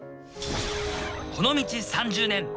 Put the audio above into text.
この道３０年。